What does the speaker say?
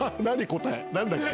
答え何だっけ？